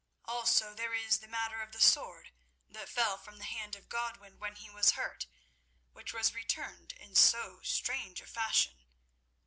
Also, there is the matter of the sword that fell from the hand of Godwin when he was hurt, which was returned in so strange a fashion.